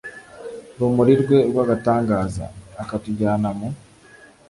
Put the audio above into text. rumuri rwe rw’agatangaza. akatujyana mu